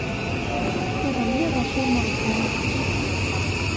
Iɣelli ɣef umeɣbun.